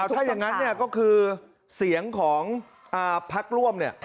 ถ้าอย่างนั้นก็คือเสียงของพักร่วม